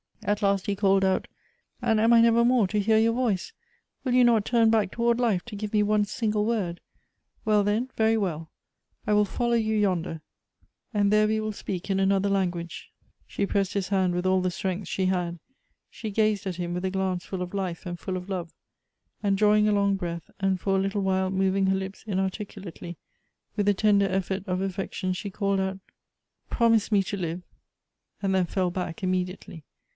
At last he called out :" And am I never more to hear your voice ? Will you not turn back toward life, to give me one single word ? Well, then, very well. I will ■ follow you yonder, and there we will speak in another language." Elective Affinities. 317 She pressed his hand witli all the strength she had ; she gazed at him with a glance full of life and full of love ; and drawing a long breath, and for a little while moving her lips inarticulatelj', with a tender effort of affection she called out, "Promise me to live; " and then fell back immediately.